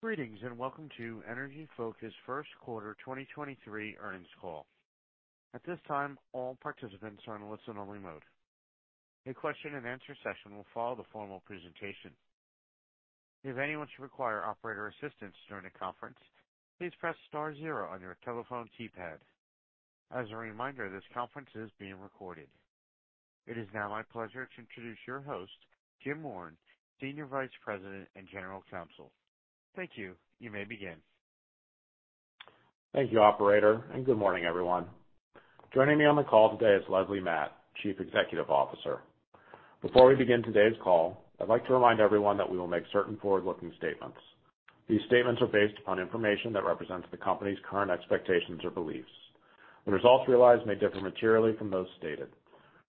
Greetings, welcome to Energy Focus first quarter 2023 earnings call. At this time, all participants are in listen-only mode. A question and answer session will follow the formal presentation. If anyone should require operator assistance during the conference, please press star zero on your telephone keypad. As a reminder, this conference is being recorded. It is now my pleasure to introduce your host, James Warren, Senior Vice President and General Counsel. Thank you. You may begin. Thank you operator, and good morning, everyone. Joining me on the call today is Lesley Matt, Chief Executive Officer. Before we begin today's call, I'd like to remind everyone that we will make certain forward-looking statements. These statements are based upon information that represents the company's current expectations or beliefs. The results realized may differ materially from those stated.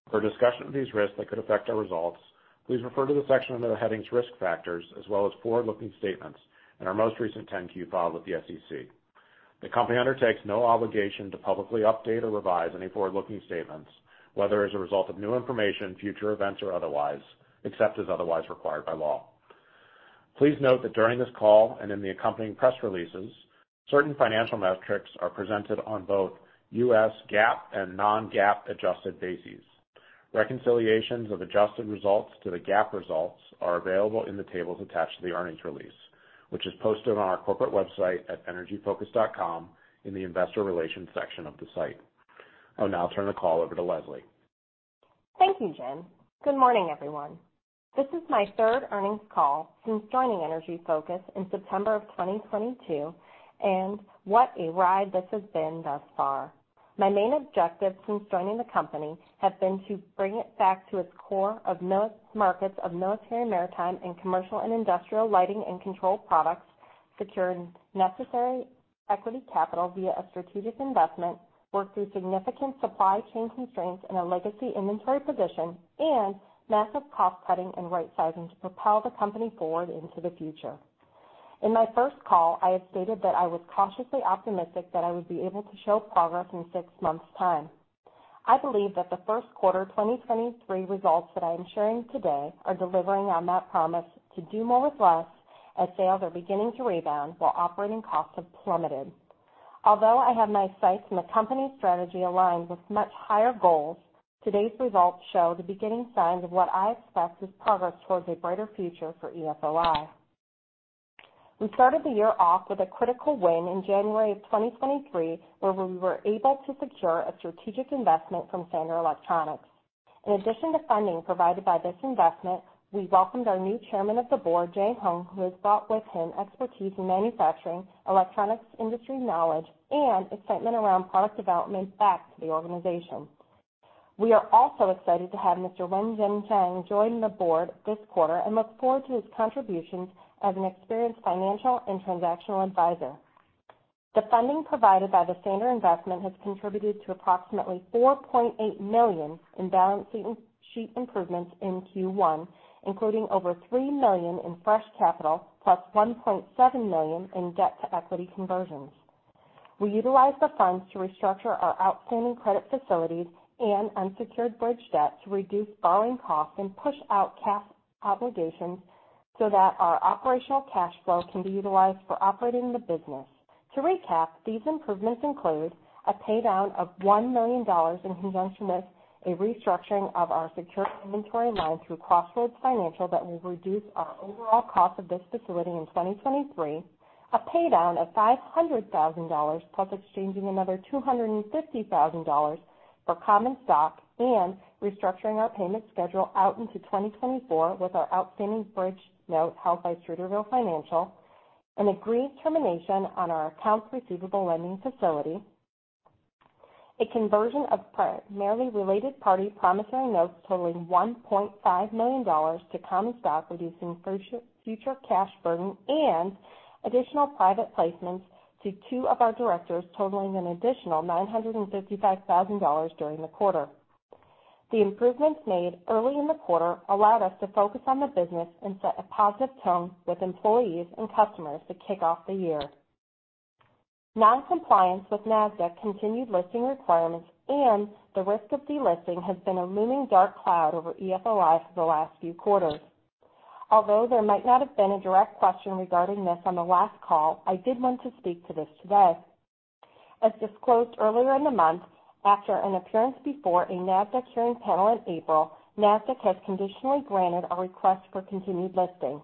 For a discussion of these risks that could affect our results, please refer to the section under the headings Risk Factors as well as Forward-Looking Statements in our most recent Form 10-Q filed with the SEC. The company undertakes no obligation to publicly update or revise any forward-looking statements, whether as a result of new information, future events, or otherwise, except as otherwise required by law. Please note that during this call and in the accompanying press releases, certain financial metrics are presented on both U.S. GAAP and non-GAAP adjusted bases. Reconciliations of adjusted results to the GAAP results are available in the tables attached to the earnings release, which is posted on our corporate website at energyfocus.com in the investor relations section of the site. I'll now turn the call over to Lesley. Thank you, Jim. Good morning, everyone. This is my third earnings call since joining Energy Focus in September of 2022, what a ride this has been thus far. My main objective since joining the company has been to bring it back to its core of markets of military, maritime, and commercial and industrial lighting and control products, securing necessary equity capital via a strategic investment, work through significant supply chain constraints in a legacy inventory position, and massive cost-cutting and right-sizing to propel the company forward into the future. In my first call, I had stated that I was cautiously optimistic that I would be able to show progress in six months' time. I believe that the first quarter 2023 results that I am sharing today are delivering on that promise to do more with less as sales are beginning to rebound while operating costs have plummeted. Although I have my sights on the company's strategy aligned with much higher goals, today's results show the beginning signs of what I expect is progress towards a brighter future for EFOI. We started the year off with a critical win in January of 2023, where we were able to secure a strategic investment from Sander Electronics. In addition to funding provided by this investment, we welcomed our new Chairman of the Board, Jay Huang, who has brought with him expertise in manufacturing, electronics, industry knowledge, and excitement around product development back to the organization. We are also excited to have Mr. Wen-Jeng Chang join the board this quarter and look forward to his contributions as an experienced financial and transactional advisor. The funding provided by the Sander investment has contributed to approximately $4.8 million in balance sheet improvements in Q1, including over $3 million in fresh capital plus $1.7 million in debt-to-equity conversions. We utilized the funds to restructure our outstanding credit facilities and unsecured bridge debt to reduce borrowing costs and push out cash obligations so that our operational cash flow can be utilized for operating the business. To recap, these improvements include a paydown of $1 million in conjunction with a restructuring of our secured inventory line through Crossroads Financial that will reduce our overall cost of this facility in 2023, a paydown of $500,000 plus exchanging another $250,000 for common stock, and restructuring our payment schedule out into 2024 with our outstanding bridge note held by Streeterville financial, an agreed termination on our accounts receivable lending facility, a conversion of primarily related party promissory notes totaling $1.5 million to common stock, reducing future cash burden, and additional private placements to two of our directors totaling an additional $955,000 during the quarter. The improvements made early in the quarter allowed us to focus on the business and set a positive tone with employees and customers to kick off the year. Non-compliance with Nasdaq continued listing requirements and the risk of delisting has been a looming dark cloud over EFOI for the last few quarters. There might not have been a direct question regarding this on the last call, I did want to speak to this today. As disclosed earlier in the month, after an appearance before a Nasdaq hearing panel in April, Nasdaq has conditionally granted a request for continued listing.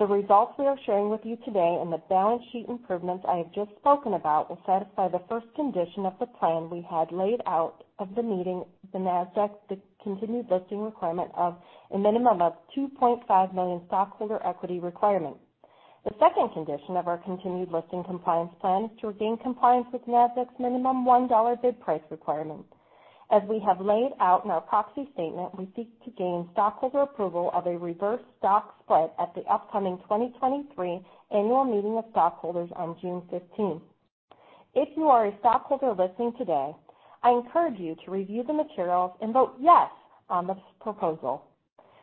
The results we are sharing with you today and the balance sheet improvements I have just spoken about will satisfy the first condition of the plan we had laid out of the meeting the Nasdaq's continued listing requirement of a minimum of $2.5 million stockholder equity requirement. The second condition of our continued listing compliance plan is to regain compliance with Nasdaq's minimum $1 bid price requirement. As we have laid out in our proxy statement, we seek to gain stockholder approval of a reverse stock split at the upcoming 2023 annual meeting of stockholders on June 15th. If you are a stockholder listening today, I encourage you to review the materials and vote yes on this proposal.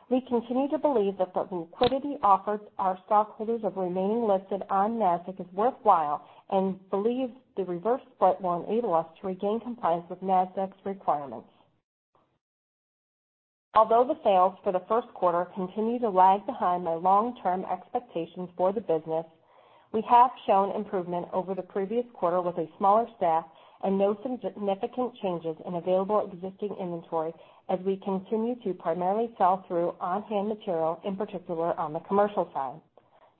We continue to believe that the liquidity offered to our stockholders of remaining listed on Nasdaq is worthwhile and believe the reverse split will enable us to regain compliance with Nasdaq's requirements. Although the sales for the first quarter continue to lag behind my long-term expectations for the business, we have shown improvement over the previous quarter with a smaller staff and no significant changes in available existing inventory as we continue to primarily sell through on-hand material, in particular on the commercial side.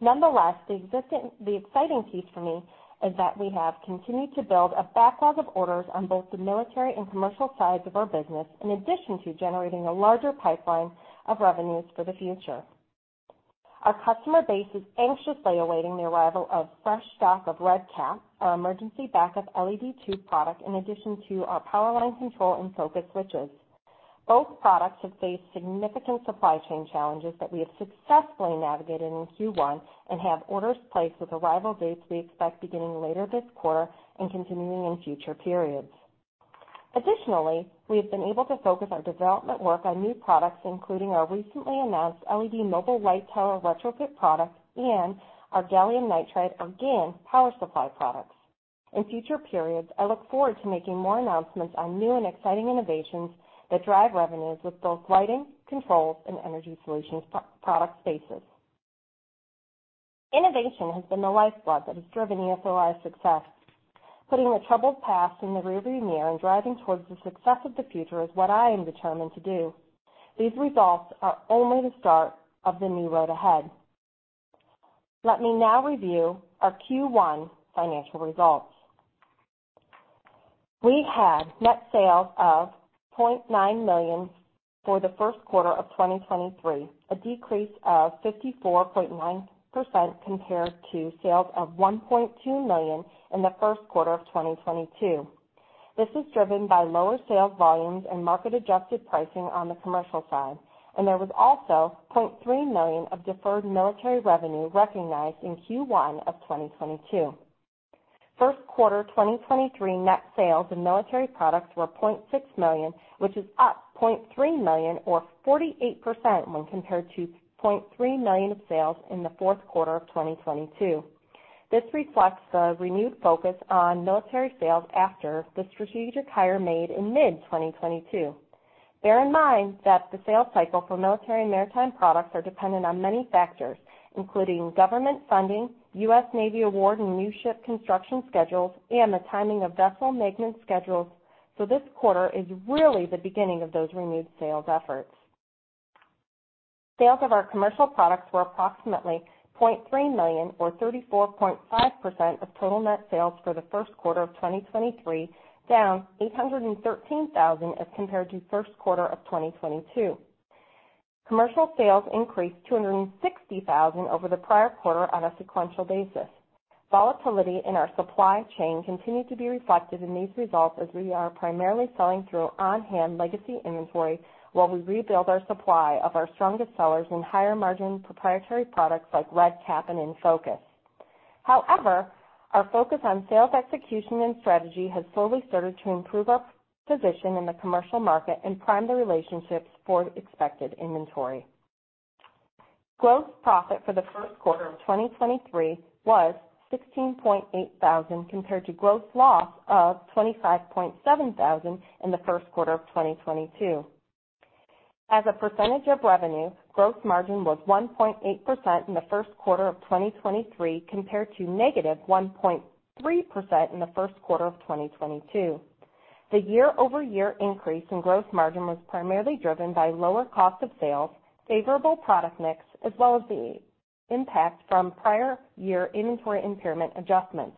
Nonetheless, the exciting piece for me is that we have continued to build a backlog of orders on both the military and commercial sides of our business, in addition to generating a larger pipeline of revenues for the future. Our customer base is anxiously awaiting the arrival of fresh stock of RedCap, our emergency backup LED tube product, in addition to our PowerLine control EnFocus switches. Both products have faced significant supply chain challenges that we have successfully navigated in Q1 and have orders placed with arrival dates we expect beginning later this quarter and continuing in future periods. Additionally, we have been able to focus our development work on new products, including our recently announced LED mobile light tower retrofit product and our gallium nitride or GaN power supply products. In future periods, I look forward to making more announcements on new and exciting innovations that drive revenues with both lighting, controls, and energy solutions product spaces. Innovation has been the lifeblood that has driven EFOI's success. Putting a troubled past in the rearview mirror and driving towards the success of the future is what I am determined to do. These results are only the start of the new road ahead. Let me now review our Q1 financial results. We had net sales of $0.9 million for the first quarter of 2023, a decrease of 54.9% compared to sales of $1.2 million in the first quarter of 2022. This is driven by lower sales volumes and market-adjusted pricing on the commercial side, and there was also $0.3 million of deferred military revenue recognized in Q1 of 2022. First quarter 2023 net sales in military products were $0.6 million, which is up $0.3 million or 48% when compared to $0.3 million of sales in the fourth quarter of 2022. This reflects the renewed focus on military sales after the strategic hire made in mid-2022. Bear in mind that the sales cycle for military and maritime products are dependent on many factors, including government funding, U.S. Navy award, and new ship construction schedules, and the timing of vessel maintenance schedules. This quarter is really the beginning of those renewed sales efforts. Sales of our commercial products were approximately $0.3 million or 34.5% of total net sales for the first quarter of 2023, down $813,000 as compared to first quarter of 2022. Commercial sales increased $260,000 over the prior quarter on a sequential basis. Volatility in our supply chain continued to be reflected in these results as we are primarily selling through on-hand legacy inventory while we rebuild our supply of our strongest sellers in higher-margin proprietary products like RedCap and EnFocus. However, our focus on sales execution and strategy has slowly started to improve our position in the commercial market and prime the relationships for expected inventory. Gross profit for the first quarter of 2023 was $16.8 thousand, compared to gross loss of $25.7 thousand in the first quarter of 2022. As a percentage of revenue, gross margin was 1.8% in the first quarter of 2023, compared to negative 1.3% in the first quarter of 2022. The year-over-year increase in gross margin was primarily driven by lower cost of sales, favorable product mix, as well as the impact from prior year inventory impairment adjustments.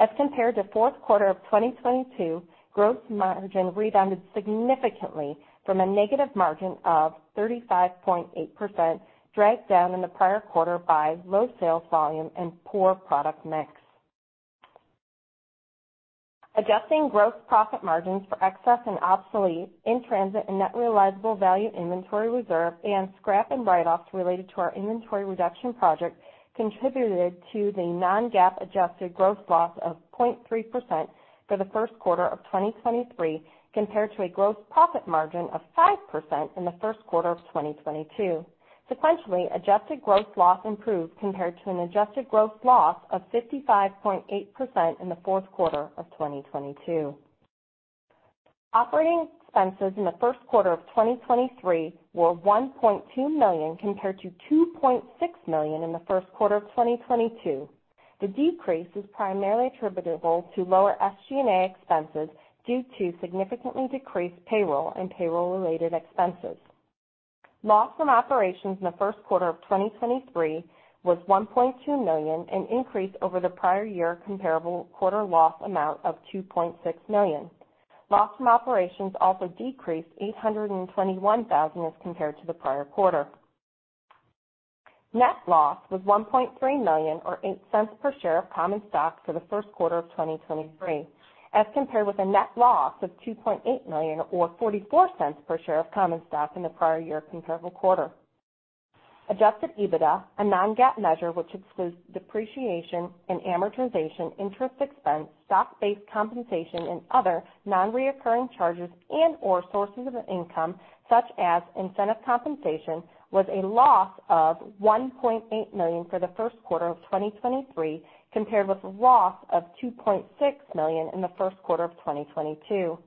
As compared to fourth quarter of 2022, gross margin rebounded significantly from a negative margin of 35.8%, dragged down in the prior quarter by low sales volume and poor product mix. Adjusting gross profit margins for excess and obsolete, in-transit and net realizable value inventory reserve, and scrap and write-offs related to our inventory reduction project contributed to the non-GAAP adjusted gross loss of 0.3% for the first quarter of 2023, compared to a gross profit margin of 5% in the first quarter of 2022. Sequentially, adjusted gross loss improved compared to an adjusted gross loss of 55.8% in the fourth quarter of 2022. Operating expenses in the first quarter of 2023 were $1.2 million compared to $2.6 million in the first quarter of 2022. The decrease is primarily attributable to lower SG&A expenses due to significantly decreased payroll and payroll-related expenses. Loss from operations in the first quarter of 2023 was $1.2 million, an increase over the prior year comparable quarter loss amount of $2.6 million. Loss from operations also decreased $821,000 as compared to the prior quarter. Net loss was $1.3 million or $0.08 per share of common stock for the first quarter of 2023, as compared with a net loss of $2.8 million or $0.44 per share of common stock in the prior year comparable quarter. Adjusted EBITDA, a non-GAAP measure which excludes depreciation and amortization, interest expense, stock-based compensation and other non-reoccurring charges and/or sources of income such as incentive compensation, was a loss of $1.8 million for the first quarter of 2023, compared with a loss of $2.6 million in the first quarter of 2022.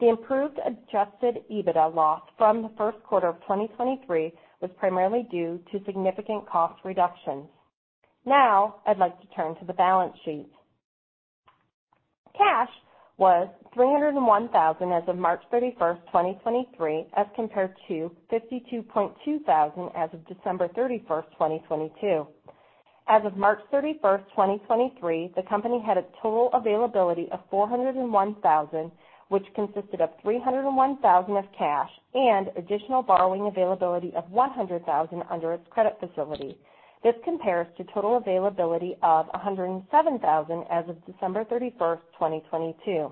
The improved adjusted EBITDA loss from the first quarter of 2023 was primarily due to significant cost reductions. I'd like to turn to the balance sheet. Cash was $301,000 as of March 31st, 2023, as compared to $52,200 as of December 31st, 2022. As of March 31st, 2023, the company had a total availability of $401,000, which consisted of $301,000 of cash and additional borrowing availability of $100,000 under its credit facility. This compares to total availability of $107,000 as of December 31st, 2022.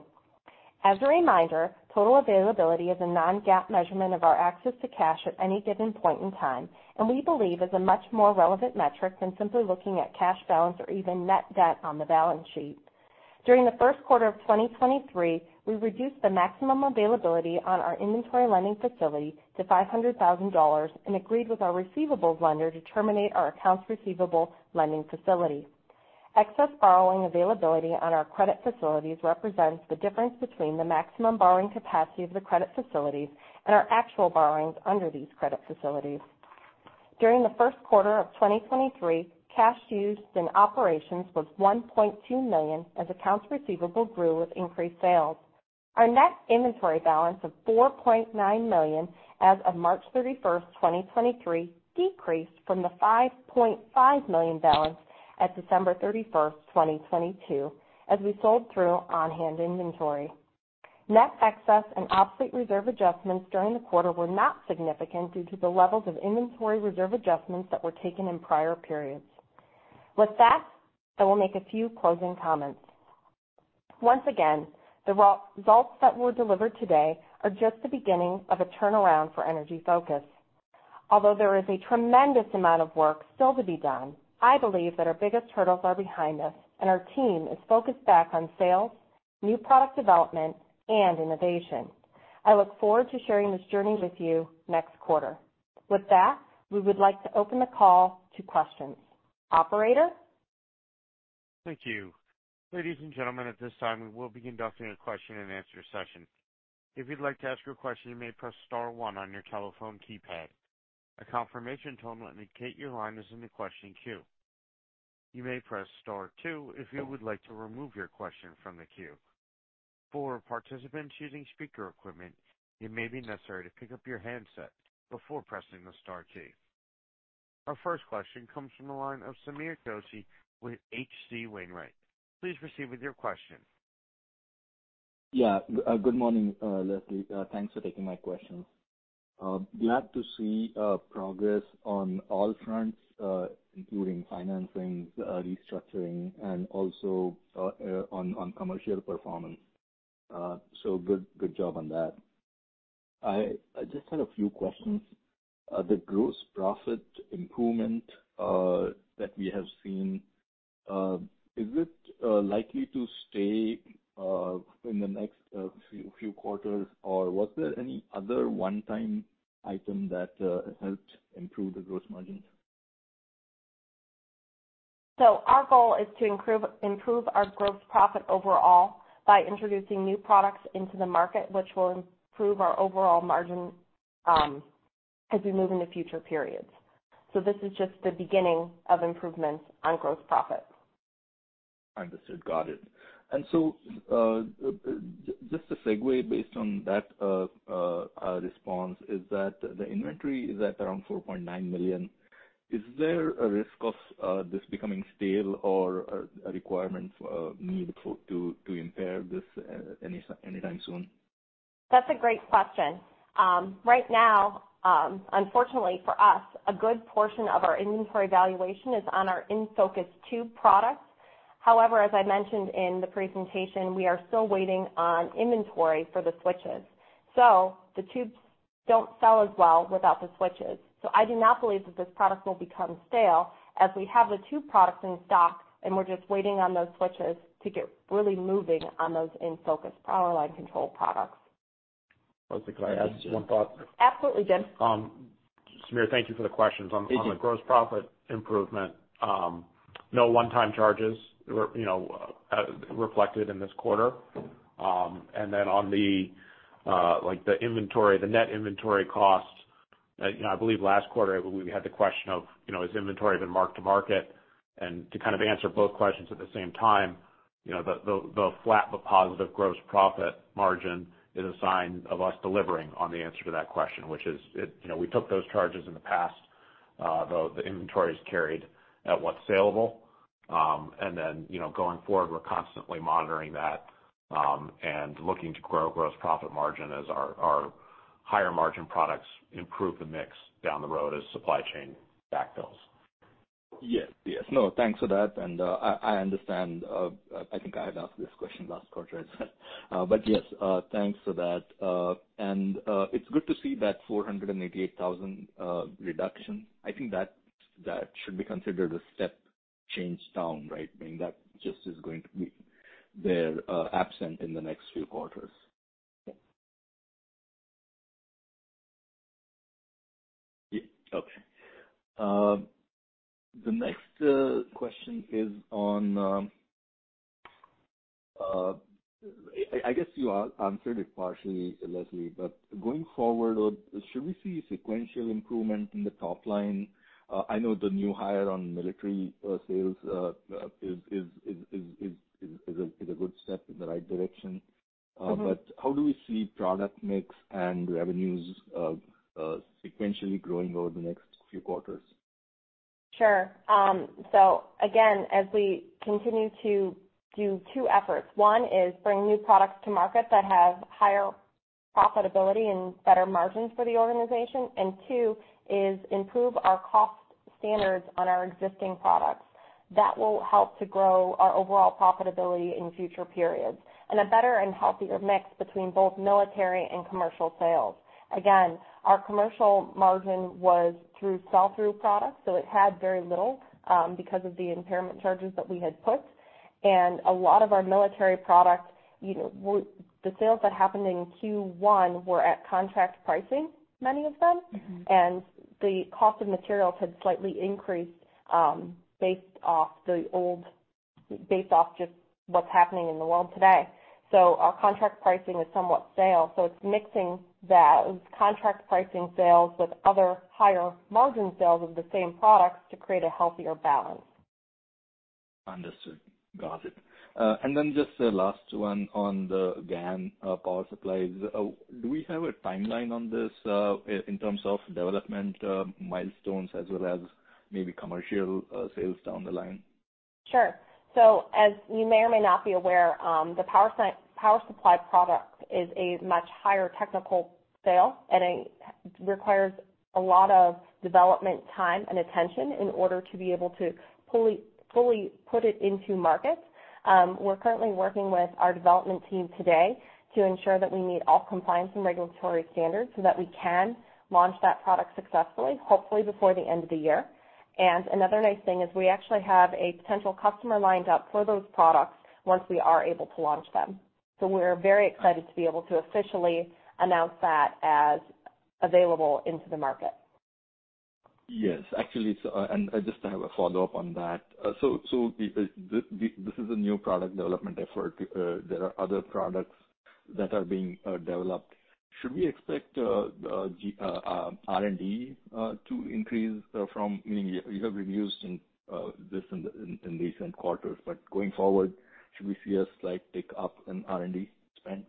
As a reminder, total availability is a non-GAAP measurement of our access to cash at any given point in time, and we believe is a much more relevant metric than simply looking at cash balance or even net debt on the balance sheet. During the first quarter of 2023, we reduced the maximum availability on our inventory lending facility to $500,000 and agreed with our receivables lender to terminate our accounts receivable lending facility. Excess borrowing availability on our credit facilities represents the difference between the maximum borrowing capacity of the credit facilities and our actual borrowings under these credit facilities. During the first quarter of 2023, cash used in operations was $1.2 million as accounts receivable grew with increased sales. Our net inventory balance of $4.9 million as of March 31, 2023, decreased from the $5.5 million balance at December 31, 2022, as we sold through on-hand inventory. Net excess and obsolete reserve adjustments during the quarter were not significant due to the levels of inventory reserve adjustments that were taken in prior periods. With that, I will make a few closing comments. Once again, the results that were delivered today are just the beginning of a turnaround for Energy Focus. Although there is a tremendous amount of work still to be done, I believe that our biggest hurdles are behind us and our team is focused back on sales, new product development and innovation. I look forward to sharing this journey with you next quarter. With that, we would like to open the call to questions. Operator? Thank you. Ladies and gentlemen, at this time, we will be conducting a question and answer session. If you'd like to ask your question, you may press star one on your telephone keypad. A confirmation tone will indicate your line is in the question queue. You may press star two if you would like to remove your question from the queue. For participants using speaker equipment, it may be necessary to pick up your handset before pressing the star key. Our first question comes from the line of Sameer Joshi with H.C. Wainwright. Please proceed with your question. Yeah. Good morning, Lesley. Thanks for taking my questions. Glad to see progress on all fronts, including financing, restructuring and also on commercial performance. Good job on that. I just had a few questions. The gross profit improvement that we have seen, is it likely to stay in the next few quarters, or was there any other one-time item that helped improve the gross margins? Our goal is to improve our gross profit overall by introducing new products into the market, which will improve our overall margin as we move into future periods. This is just the beginning of improvements on gross profit. Understood. Got it. Just to segue based on that response is that the inventory is at around $4.9 million. Is there a risk of this becoming stale or a requirement need for to impair this anytime soon? That's a great question. Right now, unfortunately for us, a good portion of our inventory valuation is on our EnFocus tube products. However, as I mentioned in the presentation, we are still waiting on inventory for the switches. The tubes don't sell as well without the switches. I do not believe that this product will become stale as we have the tube products in stock, and we're just waiting on those switches to get really moving on those EnFocus power line control products. Lesley, can I add just one thought? Absolutely, Jim. Sameer, thank you for the questions. Thank you. On the gross profit improvement, no one-time charges were, you know, reflected in this quarter. On the, like the inventory, the net inventory cost, you know, I believe last quarter we had the question of, you know, has inventory been marked to market? To kind of answer both questions at the same time, you know, the flat but positive gross profit margin is a sign of us delivering on the answer to that question, which is it, you know, we took those charges in the past. The inventory is carried at what's saleable. You know, going forward, we're constantly monitoring that, and looking to grow gross profit margin as our higher margin products improve the mix down the road as supply chain backfills. Yes. Yes. No, thanks for that. I understand. I think I had asked this question last quarter. Yes, thanks for that. It's good to see that $488,000 reduction. I think that should be considered a step change down, right? Meaning that just is going to be there, absent in the next few quarters. Yeah. Okay. The next question is on, I guess you answered it partially, Leslie, but going forward, or should we see sequential improvement in the top line? I know the new hire on military sales is a good step in the right direction. Mm-hmm. How do we see product mix and revenues, sequentially growing over the next few quarters? Sure. Again, as we continue to do two efforts, one is bring new products to market that have higher profitability and better margins for the organization. Two is improve our cost standards on our existing products. That will help to grow our overall profitability in future periods. A better and healthier mix between both military and commercial sales. Again, our commercial margin was through sell-through products, so it had very little, because of the impairment charges that we had put. A lot of our military products, you know, the sales that happened in Q1 were at contract pricing, many of them. Mm-hmm. The cost of materials had slightly increased, based off just what's happening in the world today. Our contract pricing is somewhat stale, so it's mixing that contract pricing sales with other higher margin sales of the same products to create a healthier balance. Understood. Got it. Just the last one on the GaN power supplies. Do we have a timeline on this in terms of development milestones as well as maybe commercial sales down the line? Sure. As you may or may not be aware, the power supply product is a much higher technical sale and it requires a lot of development time and attention in order to be able to fully put it into market. We're currently working with our development team today to ensure that we meet all compliance and regulatory standards so that we can launch that product successfully, hopefully before the end of the year. Another nice thing is we actually have a potential customer lined up for those products once we are able to launch them. We're very excited to be able to officially announce that as available into the market. Yes. Actually, I just have a follow-up on that. This is a new product development effort. There are other products that are being developed. Should we expect R&D to increase from, you know, you have reduced in this in recent quarters, going forward, should we see a slight tick up in R&D spend?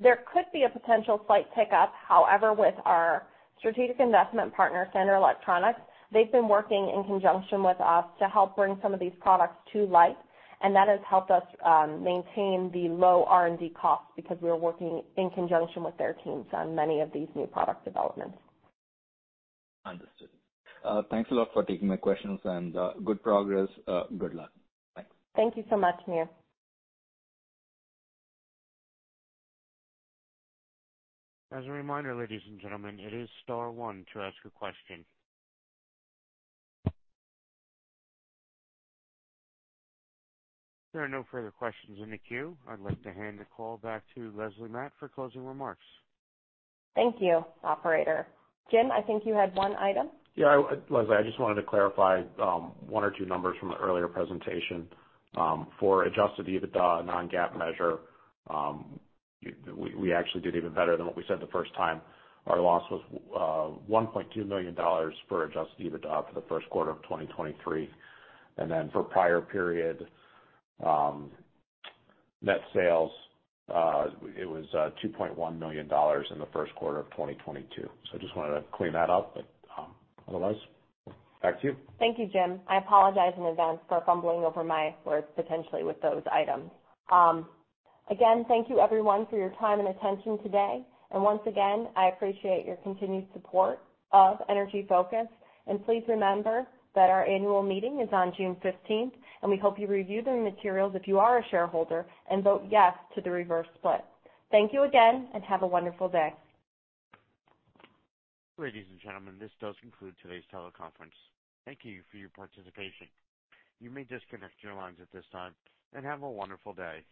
There could be a potential slight pickup, however, with our strategic investment partner, Sander Electronics, they've been working in conjunction with us to help bring some of these products to life. That has helped us maintain the low R&D costs because we are working in conjunction with their teams on many of these new product developments. Understood. Thanks a lot for taking my questions and good progress. Good luck. Thanks. Thank you so much, Sameer. As a reminder, ladies and gentlemen, it is star one to ask a question. There are no further questions in the queue. I'd like to hand the call back to Lesley Matt for closing remarks. Thank you, operator. Jim, I think you had one item. Yeah. Lesley, I just wanted to clarify one or two numbers from the earlier presentation. For adjusted EBITDA non-GAAP measure, we actually did even better than what we said the first time. Our loss was $1.2 million for adjusted EBITDA for the first quarter of 2023. For prior period net sales, it was $2.1 million in the first quarter of 2022. Just wanted to clean that up, but otherwise, back to you. Thank you, Jim. I apologize in advance for fumbling over my words potentially with those items. again, thank you everyone for your time and attention today. Once again, I appreciate your continued support of Energy Focus. Please remember that our annual meeting is on June 15th, and we hope you review the materials if you are a shareholder and vote yes to the reverse split. Thank you again and have a wonderful day. Ladies and gentlemen, this does conclude today's teleconference. Thank you for your participation. You may disconnect your lines at this time and have a wonderful day.